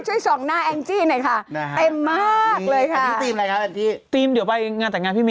ก็แค่พี่พาตอย่างเดียวไม่เท่าไหร่